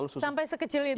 sampai sekecil itu